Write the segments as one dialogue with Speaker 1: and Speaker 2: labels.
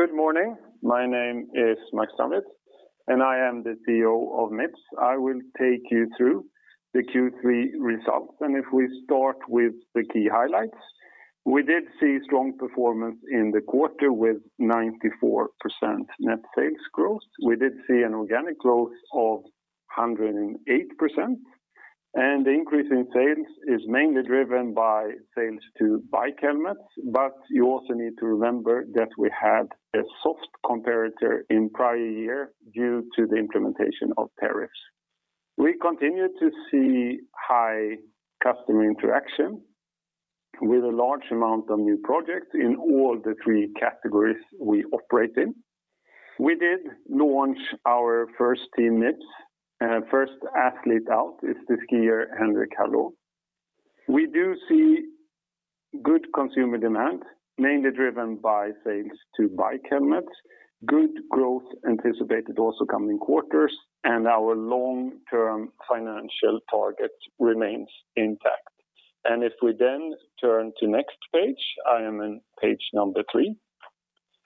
Speaker 1: Good morning. My name is Max Strandwitz, and I am the CEO of Mips. I will take you through the Q3 results. If we start with the key highlights, we did see strong performance in the quarter with 94% net sales growth. We did see an organic growth of 108%, and the increase in sales is mainly driven by sales to bike helmets. You also need to remember that we had a soft comparator in prior year due to the implementation of tariffs. We continue to see high customer interaction with a large amount of new projects in all the three categories we operate in. We did launch our first Team Mips, and first athlete out is the skier Henrik Harlaut. We do see good consumer demand, mainly driven by sales to bike helmets. Good growth anticipated also coming quarters, and our long-term financial target remains intact. If we then turn to next page, I am on page number three.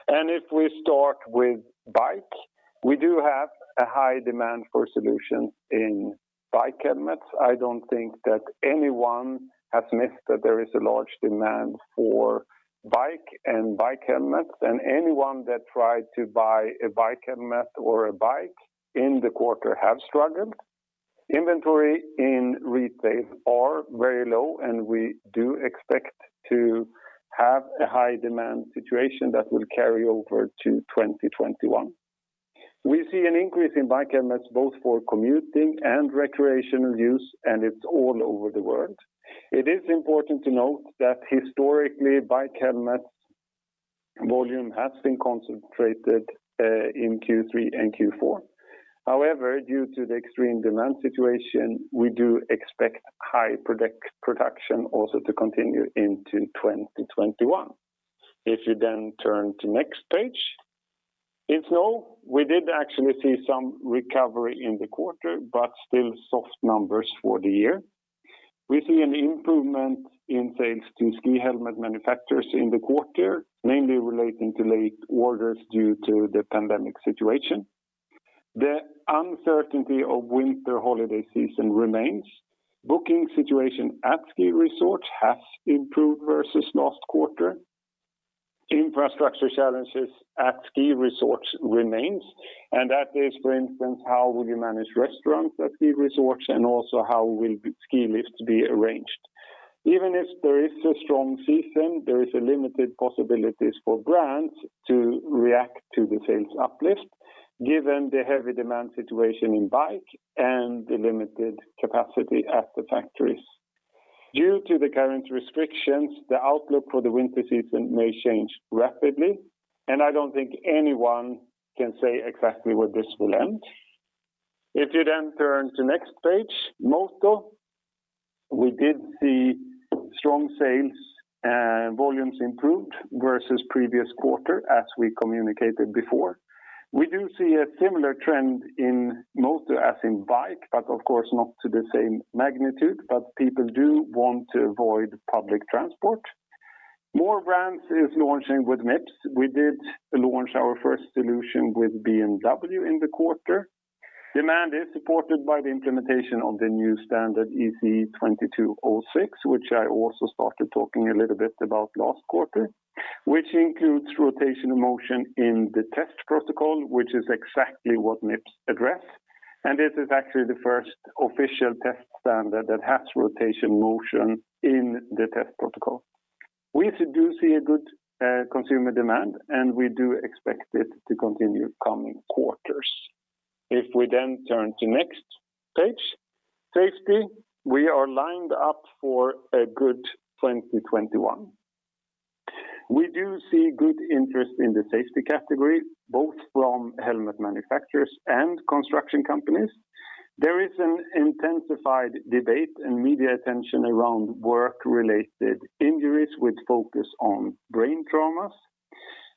Speaker 1: If we start with bike, we do have a high demand for solutions in bike helmets. I don't think that anyone has missed that there is a large demand for bike and bike helmets, and anyone that tried to buy a bike helmet or a bike in the quarter have struggled. Inventory in retail are very low, and we do expect to have a high demand situation that will carry over to 2021. We see an increase in bike helmets both for commuting and recreational use, and it's all over the world. It is important to note that historically, bike helmets volume has been concentrated in Q3 and Q4. However, due to the extreme demand situation, we do expect high production also to continue into 2021. If you then turn to next page. In snow, we did actually see some recovery in the quarter, but still soft numbers for the year. We see an improvement in sales to ski helmet manufacturers in the quarter, mainly relating to late orders due to the pandemic situation. The uncertainty of winter holiday season remains. Booking situation at ski resorts has improved versus last quarter. Infrastructure challenges at ski resorts remains, and that is, for instance, how will you manage restaurants at ski resorts and also how will ski lifts be arranged. Even if there is a strong season, there is a limited possibilities for brands to react to the sales uplift, given the heavy demand situation in bike and the limited capacity at the factories. Due to the current restrictions, the outlook for the winter season may change rapidly, and I don't think anyone can say exactly when this will end. If you turn to next page, Moto. We did see strong sales and volumes improved versus previous quarter as we communicated before. We do see a similar trend in Moto as in bike, of course not to the same magnitude, people do want to avoid public transport. More brands is launching with Mips. We did launch our first solution with BMW in the quarter. Demand is supported by the implementation of the new standard, ECE 22.06, which I also started talking a little bit about last quarter. Which includes rotational motion in the test protocol, which is exactly what Mips address. This is actually the first official test standard that has rotational motion in the test protocol. We do see a good consumer demand, we do expect it to continue coming quarters. If we turn to next page. Safety. We are lined up for a good 2021. We do see good interest in the safety category, both from helmet manufacturers and construction companies. There is an intensified debate and media attention around work-related injuries with focus on brain traumas.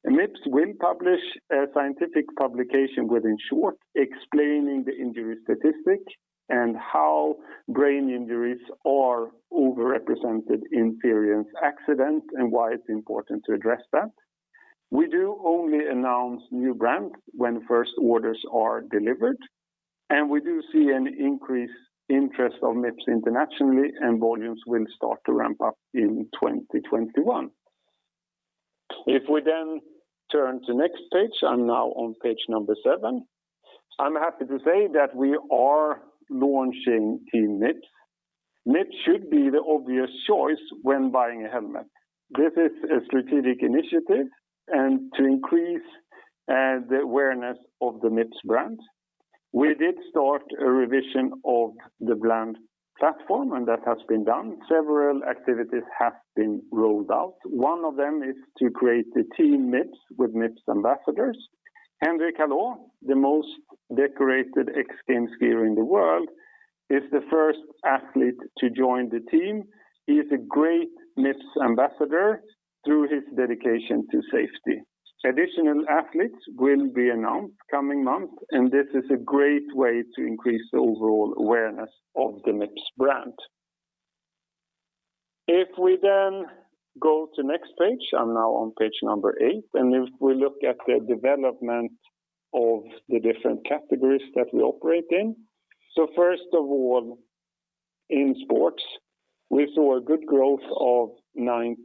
Speaker 1: Mips will publish a scientific publication within short explaining the injury statistic and how brain injuries are overrepresented in serious accident and why it's important to address that. We do only announce new brand when first orders are delivered, and we do see an increased interest of Mips internationally and volumes will start to ramp up in 2021. If we then turn to next page. I'm now on page number seven. I'm happy to say that we are launching Team Mips. Mips should be the obvious choice when buying a helmet. This is a strategic initiative and to increase the awareness of the Mips brand. We did start a revision of the brand platform, and that has been done. Several activities have been rolled out. One of them is to create the Team Mips with Mips ambassadors. Henrik Harlaut, the most decorated X Games skier in the world, is the first athlete to join the team. He is a great Mips ambassador through his dedication to safety. Additional athletes will be announced coming month. This is a great way to increase the overall awareness of the Mips brand. If we go to next page, I'm now on page number eight, and if we look at the development of the different categories that we operate in. First of all, in sports, we saw a good growth of 91%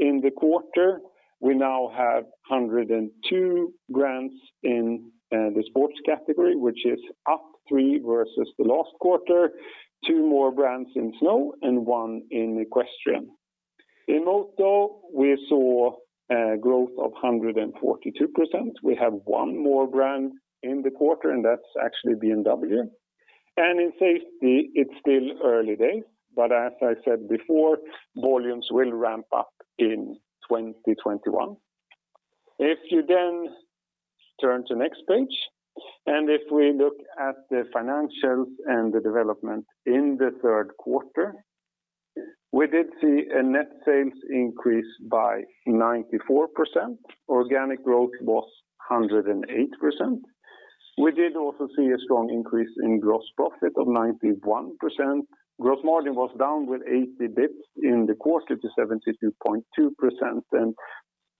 Speaker 1: in the quarter. We now have 102 brands in the sports category, which is up three versus the last quarter, two more brands in snow, and one in equestrian. In moto, we saw a growth of 142%. We have one more brand in the quarter, and that's actually BMW. In safety, it's still early days, but as I said before, volumes will ramp up in 2021. If you then turn to next page, if we look at the financials and the development in the third quarter, we did see a net sales increase by 94%. Organic growth was 108%. We did also see a strong increase in gross profit of 91%. Gross margin was down with 80 basis points in the quarter to 72.2%,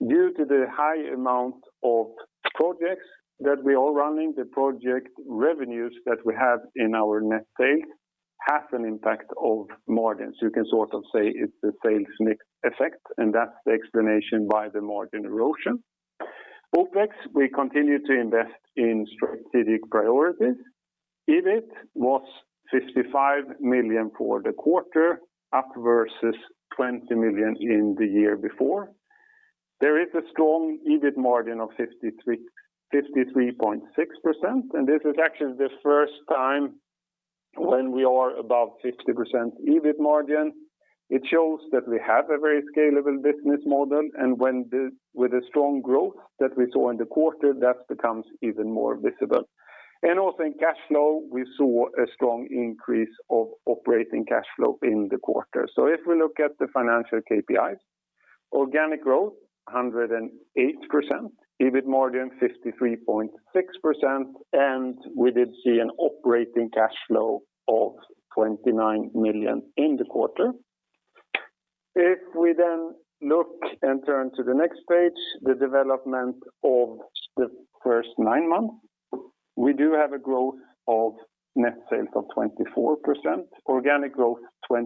Speaker 1: due to the high amount of projects that we are running, the project revenues that we have in our net sales has an impact of margins. You can sort of say it's the sales mix effect, and that's the explanation why the margin erosion. OPEX, we continue to invest in strategic priorities. EBIT was 55 million for the quarter, up versus 20 million in the year before. There is a strong EBIT margin of 53.6%, and this is actually the first time when we are above 50% EBIT margin. It shows that we have a very scalable business model, and with the strong growth that we saw in the quarter, that becomes even more visible. Also in cash flow, we saw a strong increase of operating cash flow in the quarter. If we look at the financial KPIs, organic growth 108%, EBIT margin 53.6%, and we did see an operating cash flow of 29 million in the quarter. We then look and turn to the next page, the development of the first nine months, we do have a growth of net sales of 24%, organic growth 27%.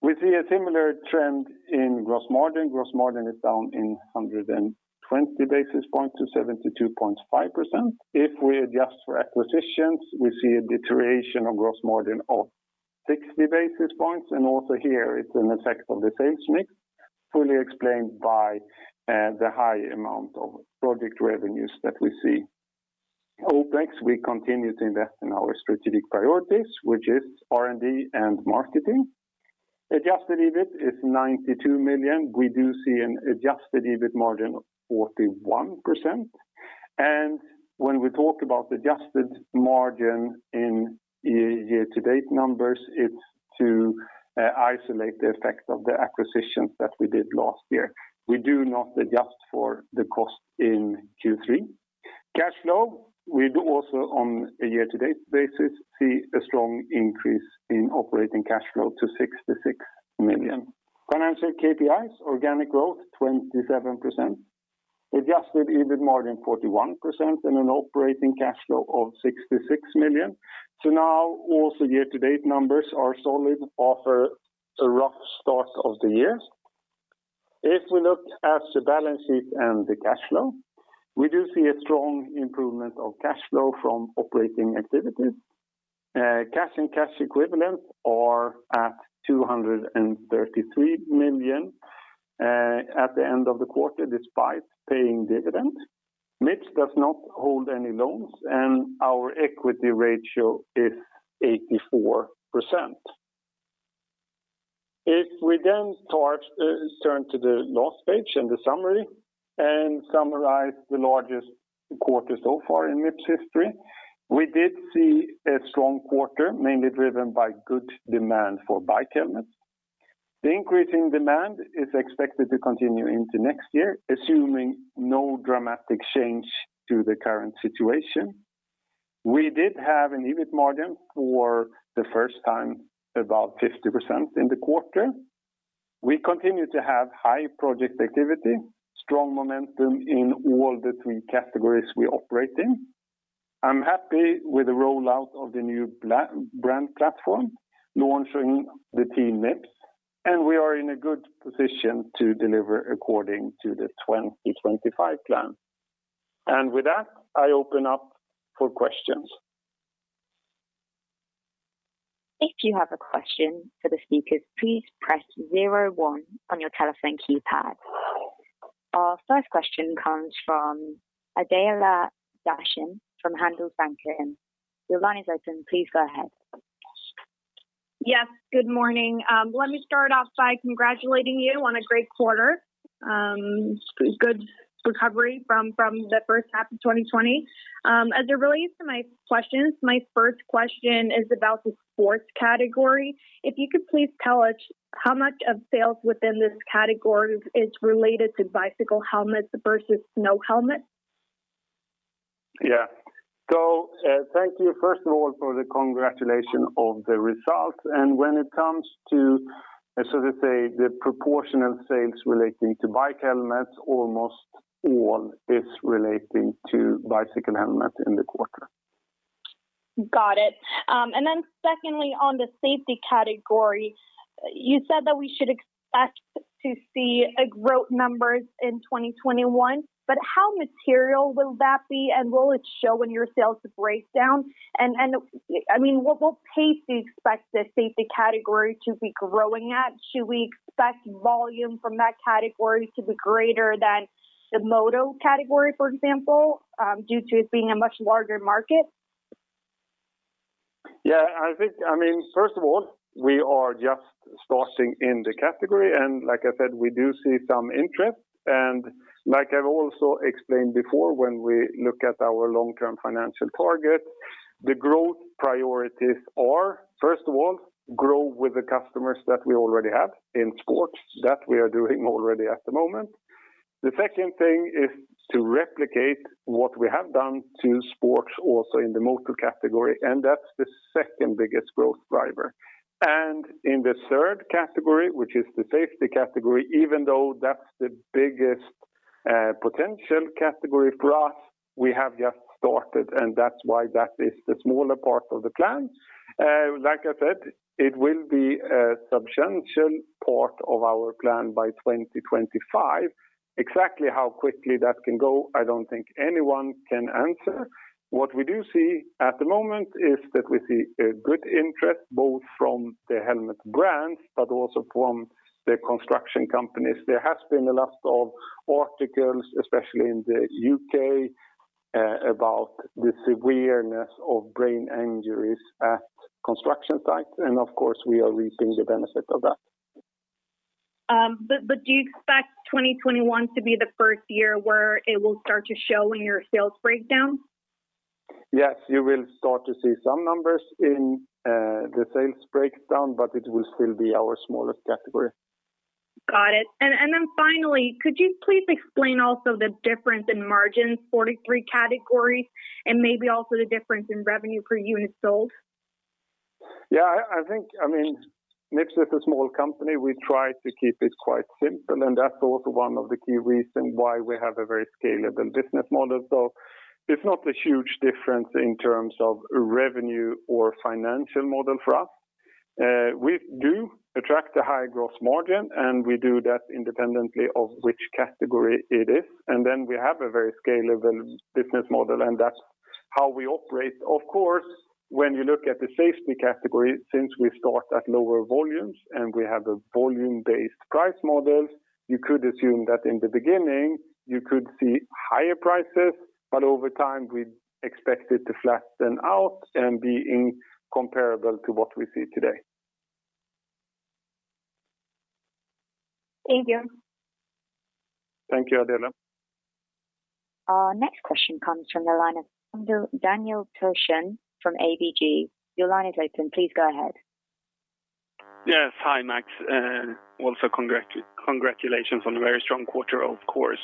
Speaker 1: We see a similar trend in gross margin. Gross margin is down in 120 basis points to 72.5%. We adjust for acquisitions, we see a deterioration of gross margin of 60 basis points, and also here it's an effect of the sales mix fully explained by the high amount of project revenues that we see. OPEX, we continue to invest in our strategic priorities, which is R&D and marketing. Adjusted EBIT is 92 million. We do see an adjusted EBIT margin of 41%. When we talk about adjusted margin in year-to-date numbers, it's to isolate the effect of the acquisitions that we did last year. We do not adjust for the cost in Q3. Cash flow, we do also, on a year-to-date basis, see a strong increase in operating cash flow to 66 million. Financial KPIs, organic growth 27%, adjusted EBIT margin 41%, and an operating cash flow of 66 million. Now, also year-to-date numbers are solid after a rough start of the year. If we look at the balance sheet and the cash flow, we do see a strong improvement of cash flow from operating activities. Cash and cash equivalents are at 233 million at the end of the quarter, despite paying dividends. Mips does not hold any loans, and our equity ratio is 84%. If we turn to the last page and the summary and summarize the largest quarter so far in Mips history, we did see a strong quarter, mainly driven by good demand for bike helmets. The increasing demand is expected to continue into next year, assuming no dramatic change to the current situation. We did have an EBIT margin for the first time about 50% in the quarter. We continue to have high project activity, strong momentum in all the three categories we operate in. I'm happy with the rollout of the new brand platform, launching the Team Mips, and we are in a good position to deliver according to the 2025 plan. With that, I open up for questions.
Speaker 2: If you have a question for the speakers, please press zero one on your telephone keypad. Our first question comes from Adela Dashian from Handelsbanken. Your line is open. Please go ahead.
Speaker 3: Yes, good morning. Let me start off by congratulating you on a great quarter. Good recovery from the first half of 2020. As it relates to my questions, my first question is about the sports category. If you could please tell us how much of sales within this category is related to bicycle helmets versus snow helmets?
Speaker 1: Yeah. Thank you, first of all, for the congratulation of the results. When it comes to the proportion of sales relating to bike helmets, almost all is relating to bicycle helmets in the quarter.
Speaker 3: Got it. Secondly, on the safety category, you said that we should expect to see growth numbers in 2021, but how material will that be, and will it show in your sales breakdown? What pace do you expect the safety category to be growing at? Should we expect volume from that category to be greater than the moto category, for example, due to it being a much larger market?
Speaker 1: Yeah. First of all, we are just starting in the category, and like I said, we do see some interest. Like I've also explained before, when we look at our long-term financial target, the growth priorities are, first of all, grow with the customers that we already have in sports. That we are doing already at the moment. The second thing is to replicate what we have done to sports also in the moto category, and that's the second biggest growth driver. In the category 3, which is the safety category, even though that's the biggest potential category for us, we have just started, and that's why that is the smaller part of the plan. Like I said, it will be a substantial part of our plan by 2025. Exactly how quickly that can go, I don't think anyone can answer. What we do see at the moment is that we see a good interest both from the helmet brands, but also from the construction companies. There has been a lot of articles, especially in the U.K., about the severity of brain injuries at construction sites, and of course, we are reaping the benefit of that.
Speaker 3: Do you expect 2021 to be the first year where it will start to show in your sales breakdown?
Speaker 1: Yes, you will start to see some numbers in the sales breakdown, but it will still be our smallest category.
Speaker 3: Got it. Then finally, could you please explain also the difference in margin for the three categories and maybe also the difference in revenue per unit sold?
Speaker 1: Mips is a small company. We try to keep it quite simple, and that's also one of the key reasons why we have a very scalable business model. It's not a huge difference in terms of revenue or financial model for us. We do attract a high gross margin, and we do that independently of which category it is. We have a very scalable business model, and that's how we operate. Of course, when you look at the safety category, since we start at lower volumes and we have a volume-based price model, you could assume that in the beginning you could see higher prices. Over time, we expect it to flatten out and be comparable to what we see today.
Speaker 3: Thank you.
Speaker 1: Thank you, Adela.
Speaker 2: Our next question comes from the line of Daniel Thorsson from ABG. Your line is open. Please go ahead.
Speaker 4: Yes. Hi, Max. Also, congratulations on a very strong quarter, of course.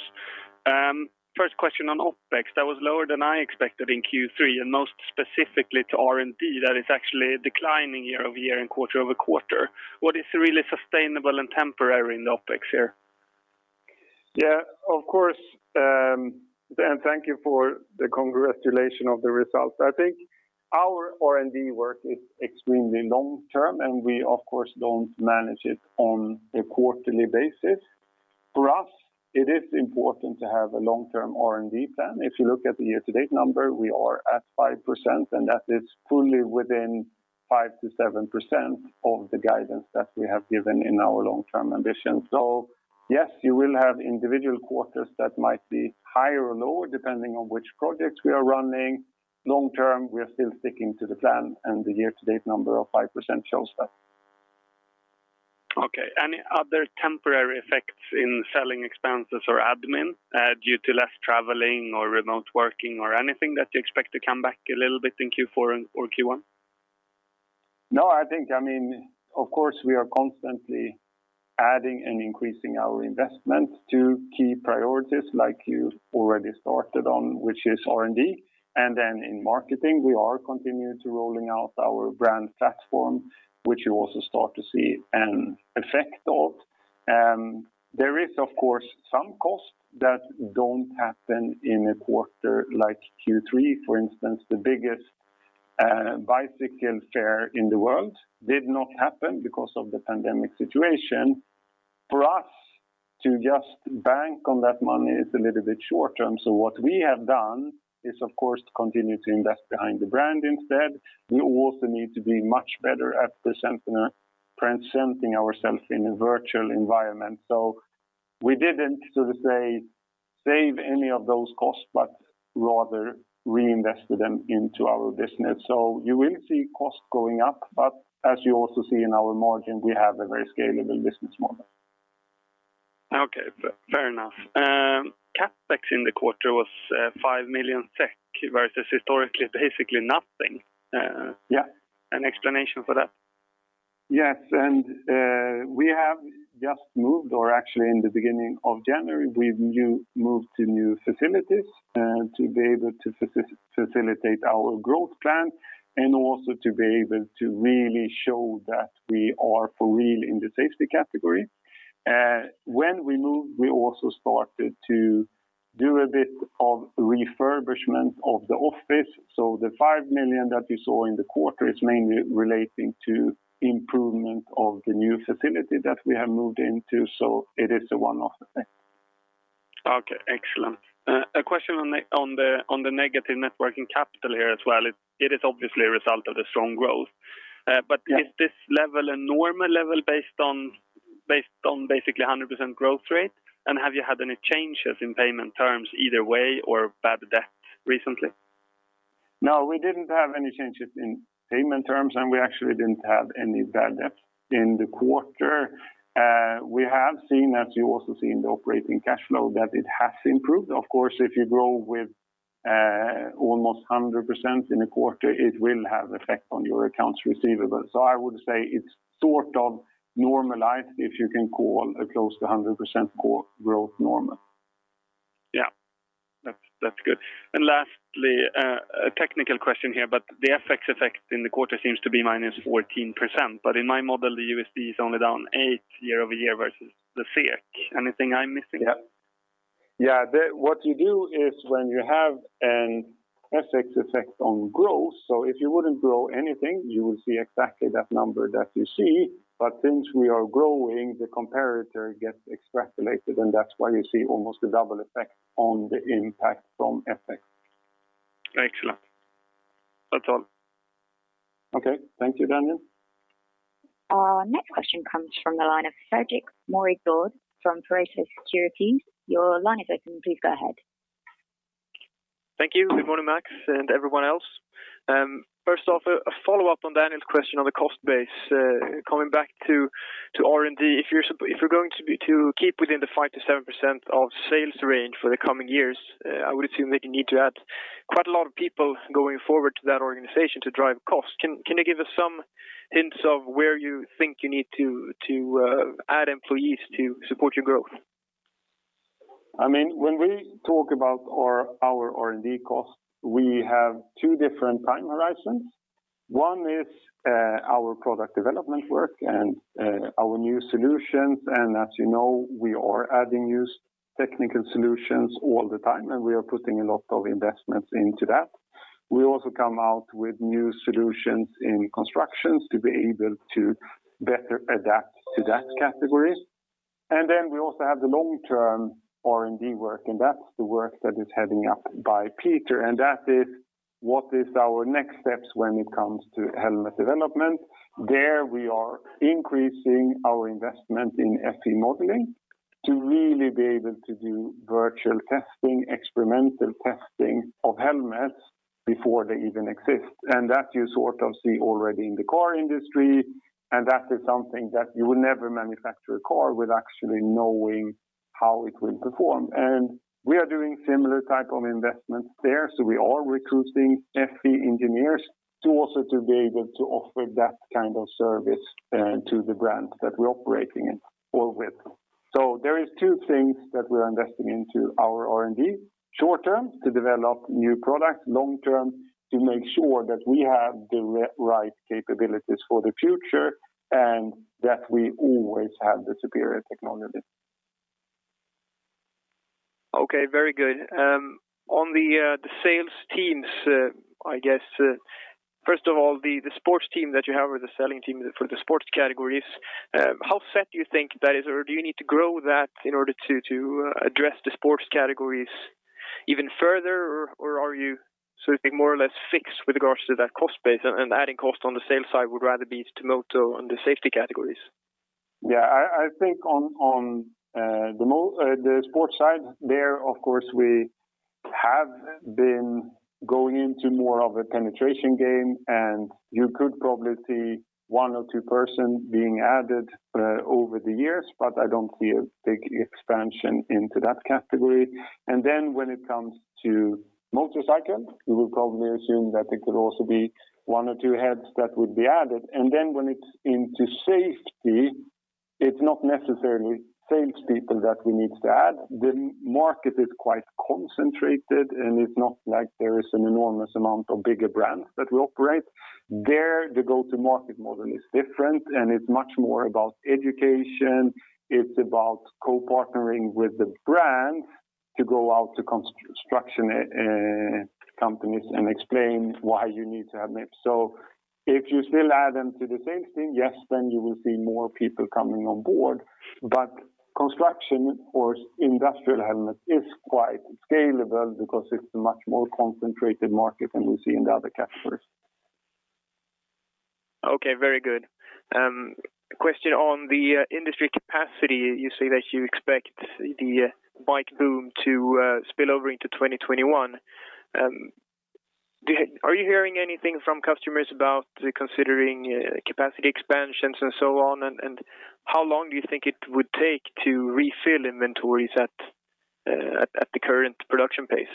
Speaker 4: First question on OPEX. That was lower than I expected in Q3, and most specifically to R&D. That is actually declining year-over-year and quarter-over-quarter. What is really sustainable and temporary in the OPEX here?
Speaker 1: Yeah. Of course, thank you for the congratulations of the results. I think our R&D work is extremely long-term, and we of course don't manage it on a quarterly basis. For us, it is important to have a long-term R&D plan. If you look at the year-to-date number, we are at 5%, and that is fully within 5% to 7% of the guidance that we have given in our long-term ambition. Yes, you will have individual quarters that might be higher or lower depending on which projects we are running. Long term, we are still sticking to the plan, and the year-to-date number of 5% shows that.
Speaker 4: Okay. Any other temporary effects in selling expenses or admin due to less traveling or remote working or anything that you expect to come back a little bit in Q4 or Q1?
Speaker 1: No. Of course, we are constantly adding and increasing our investment to key priorities like you already started on, which is R&D. In marketing, we are continuing to roll out our brand platform, which you also start to see an effect of. There is, of course, some costs that don't happen in a quarter like Q3. For instance, the biggest bicycle fair in the world did not happen because of the pandemic situation. For us to just bank on that money is a little bit short-term. What we have done is, of course, continue to invest behind the brand instead. We also need to be much better at presenting ourselves in a virtual environment. We didn't, so to say, save any of those costs, but rather reinvested them into our business. You will see costs going up, but as you also see in our margin, we have a very scalable business model.
Speaker 4: Okay. Fair enough. CapEx in the quarter was 5 million SEK versus historically basically nothing.
Speaker 1: Yeah.
Speaker 4: An explanation for that?
Speaker 1: Yes, we have just moved, or actually in the beginning of January, we moved to new facilities to be able to facilitate our growth plan and also to be able to really show that we are for real in the safety category. When we moved, we also started to do a bit of refurbishment of the office. The 5 million that you saw in the quarter is mainly relating to improvement of the new facility that we have moved into. It is a one-off thing.
Speaker 4: Okay. Excellent. A question on the negative net working capital here as well. It is obviously a result of the strong growth. Yeah. Is this level a normal level based on basically 100% growth rate? Have you had any changes in payment terms either way, or bad debt recently?
Speaker 1: No, we didn't have any changes in payment terms, and we actually didn't have any bad debt in the quarter. We have seen, as you also see in the operating cash flow, that it has improved. Of course, if you grow with almost 100% in a quarter, it will have effect on your accounts receivable. I would say it's sort of normalized, if you can call a close to 100% growth normal.
Speaker 4: Yeah. That's good. Lastly, a technical question here, but the FX effect in the quarter seems to be -14%, but in my model, the USD is only down 8% year-over-year versus the SEK. Anything I'm missing there?
Speaker 1: Yeah. What you do is when you have an FX effect on growth, so if you wouldn't grow anything, you would see exactly that number that you see. Since we are growing, the comparator gets extrapolated, and that's why you see almost a double effect on the impact from FX.
Speaker 4: Excellent. That's all.
Speaker 1: Okay. Thank you, Daniel.
Speaker 2: Our next question comes from the line of Fredrik Moregård from Pareto Securities. Your line is open. Please go ahead.
Speaker 5: Thank you. Good morning, Max, and everyone else. First off, a follow-up on Daniel's question on the cost base. Coming back to R&D, if you're going to keep within the 5%-7% of sales range for the coming years, I would assume that you need to add quite a lot of people going forward to that organization to drive costs. Can you give us some hints of where you think you need to add employees to support your growth?
Speaker 1: When we talk about our R&D cost, we have two different time horizons. One is our product development work and our new solutions, and as you know, we are adding new technical solutions all the time, and we are putting a lot of investments into that. We also come out with new solutions in constructions to be able to better adapt to that category. Then we also have the long-term R&D work, and that's the work that is heading up by Peter, and that is what is our next steps when it comes to helmet development. There we are increasing our investment in FE modeling to really be able to do virtual testing, experimental testing of helmets before they even exist. That you sort of see already in the car industry, and that is something that you would never manufacture a car without actually knowing how it will perform. We are doing similar type of investments there. We are recruiting FE engineers to also to be able to offer that kind of service to the brands that we're operating in or with. There is two things that we're investing into our R&D. Short term, to develop new products. Long term, to make sure that we have the right capabilities for the future and that we always have the superior technology.
Speaker 5: Okay. Very good. On the sales teams, I guess, first of all, the sports team that you have or the selling team for the sports categories, how set do you think that is? Do you need to grow that in order to address the sports categories even further? Are you sort of more or less fixed with regards to that cost base and adding cost on the sales side would rather be to moto on the safety categories?
Speaker 1: Yeah, I think on the sports side there, of course, we have been going into more of a penetration game, and you could probably see one or two person being added over the years, but I don't see a big expansion into that category. When it comes to motorcycle, you will probably assume that it could also be one or two heads that would be added. When it's into safety, it's not necessarily salespeople that we need to add. The market is quite concentrated, and it's not like there is an enormous amount of bigger brands that we operate. There, the go-to market model is different, and it's much more about education. It's about co-partnering with the brand to go out to construction companies and explain why you need to have Mips. If you still add them to the sales team, yes, then you will see more people coming on board. Construction or industrial helmet is quite scalable because it's a much more concentrated market than we see in the other categories.
Speaker 5: Okay. Very good. Question on the industry capacity. You say that you expect the bike boom to spill over into 2021. Are you hearing anything from customers about considering capacity expansions and so on? How long do you think it would take to refill inventories at the current production pace?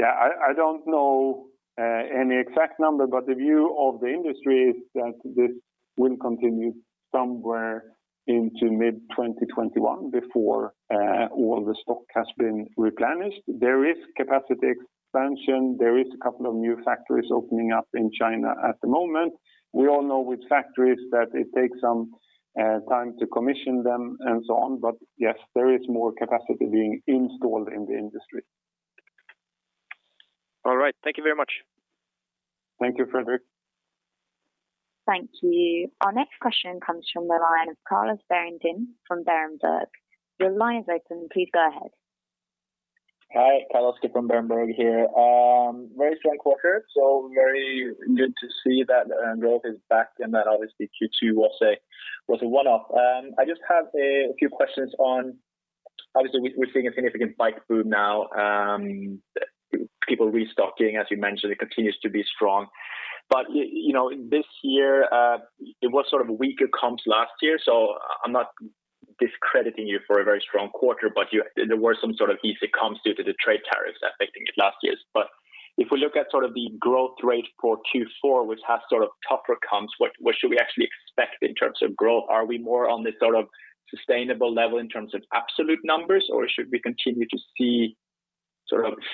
Speaker 1: Yeah, I don't know any exact number. The view of the industry is that this will continue somewhere into mid-2021 before all the stock has been replenished. There is capacity expansion. There is a couple of new factories opening up in China at the moment. We all know with factories that it takes some time to commission them and so on. Yes, there is more capacity being installed in the industry.
Speaker 5: All right. Thank you very much.
Speaker 1: Thank you, Fredrik.
Speaker 2: Thank you. Our next question comes from the line of Carl Bredengen from Berenberg. Your line is open. Please go ahead.
Speaker 6: Hi, Carl from Berenberg. Very strong quarter, very good to see that growth is back and that obviously Q2 was a one-off. I just have a few questions on, obviously, we're seeing a significant bike boom now. People restocking, as you mentioned, it continues to be strong. This year, it was sort of weaker comps last year, so I'm not discrediting you for a very strong quarter, but there were some sort of easy comps due to the trade tariffs affecting it last year. If we look at the growth rate for Q4, which has tougher comps, what should we actually expect in terms of growth? Are we more on this sustainable level in terms of absolute numbers, or should we continue to see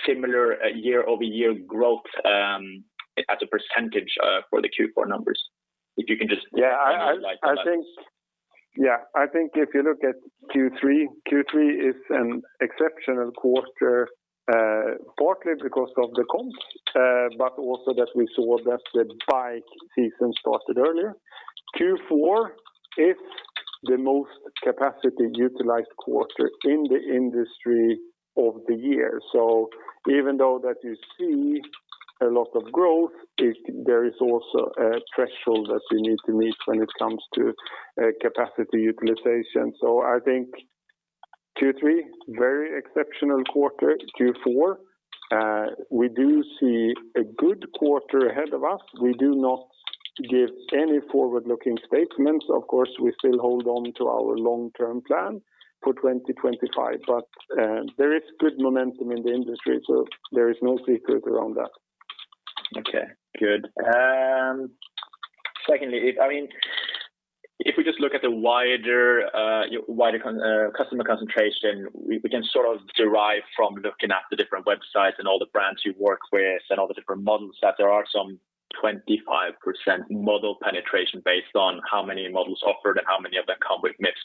Speaker 6: similar year-over-year growth as a percentage for the Q4 numbers? If you can just.
Speaker 1: Yeah, I think if you look at Q3 is an exceptional quarter, partly because of the comps, but also that we saw that the bike season started earlier. Q4 is the most capacity-utilized quarter in the industry of the year. Even though that you see a lot of growth, there is also a threshold that we need to meet when it comes to capacity utilization. I think Q3, very exceptional quarter. Q4, we do see a good quarter ahead of us. We do not give any forward-looking statements. Of course, we still hold on to our long-term plan for 2025. There is good momentum in the industry, so there is no secret around that.
Speaker 6: Okay, good. Secondly, if we just look at the wider customer concentration, we can derive from looking at the different websites and all the brands you work with and all the different models, that there are some 25% model penetration based on how many models offered and how many of them come with Mips.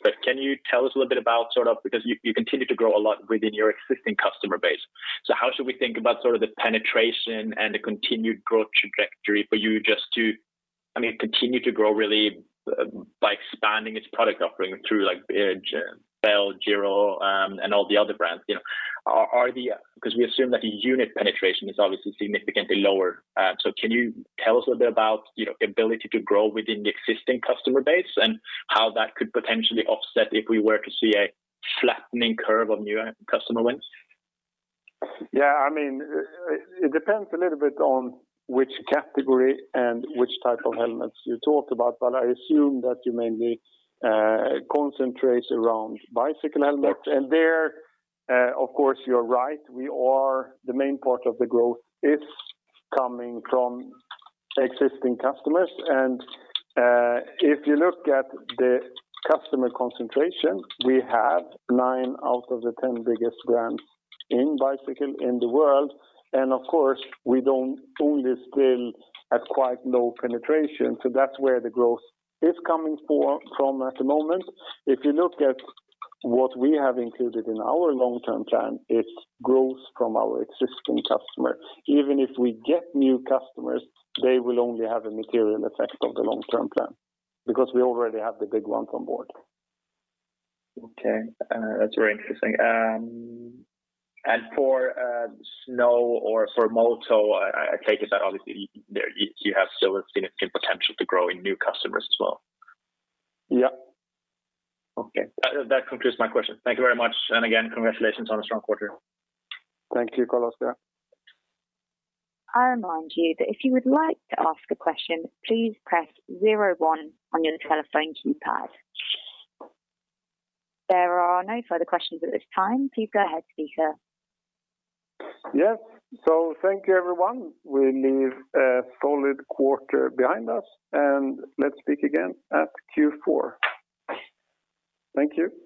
Speaker 6: You continue to grow a lot within your existing customer base. How should we think about the penetration and the continued growth trajectory for you just to continue to grow really by expanding its product offering through Bell, Giro, and all the other brands? We assume that the unit penetration is obviously significantly lower. Can you tell us a bit about the ability to grow within the existing customer base and how that could potentially offset if we were to see a flattening curve of new customer wins?
Speaker 1: Yeah. It depends a little bit on which category and which type of helmets you talked about, but I assume that you mainly concentrate around bicycle helmets. Yes. There, of course, you're right. The main part of the growth is coming from existing customers. If you look at the customer concentration, we have nine out of the 10 biggest brands in bicycle in the world. Of course, we don't only sell at quite low penetration. That's where the growth is coming from at the moment. If you look at what we have included in our long-term plan, it's growth from our existing customers. Even if we get new customers, they will only have a material effect on the long-term plan because we already have the big ones on board.
Speaker 6: Okay. That is very interesting. For snow or for moto, I take it that obviously you have still a significant potential to grow in new customers as well.
Speaker 1: Yeah.
Speaker 6: Okay. That concludes my question. Thank you very much. Again, congratulations on a strong quarter.
Speaker 1: Thank you, Carl there.
Speaker 2: I remind you that if you would like to ask a question, please press 0 one on your telephone keypad. There are no further questions at this time. Please go ahead, speaker.
Speaker 1: Yes. Thank you, everyone. We leave a solid quarter behind us, and let's speak again at Q4. Thank you.